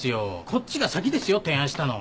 こっちが先ですよ提案したの。